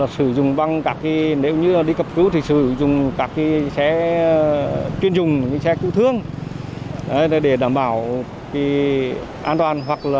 sử dụng băng nếu như đi cập cứu thì sử dụng các xe chuyên dùng xe cụ thương để đảm bảo an toàn hoặc